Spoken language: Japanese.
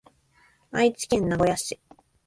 愛知県名古屋市